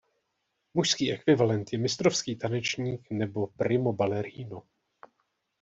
Mužský ekvivalent je mistrovský tanečník nebo "Primoballerino".